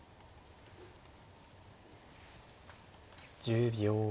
１０秒。